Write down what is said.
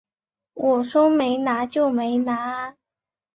我说没拿就没拿啊